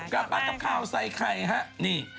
กลับมากับข่าวใส่ไข่ฮะนี่